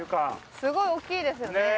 すごい大きいですよね。